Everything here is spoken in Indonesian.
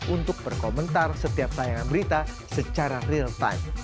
untuk berkomentar setiap tayangan berita secara real time